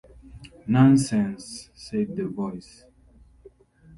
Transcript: "Nonsense," said the Voice.